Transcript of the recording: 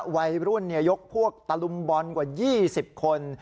วัยรุ่นยกพวกตะลุมบอลกว่า๒๐คน